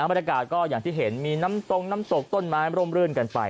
บรรยากาศก็อย่างที่เห็นมีน้ำตรงน้ำตกต้นไม้ร่มรื่นกันไป